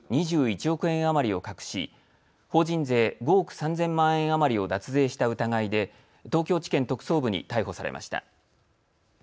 ２１億円余りを隠し法人税５億３０００万円余りを脱税した疑いで東京地検特捜部に逮捕されました。